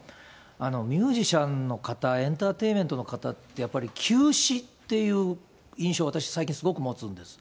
ミュージシャンの方、エンターテインメントの方って、やっぱり急死っていう印象、私、最近すごく持つんです。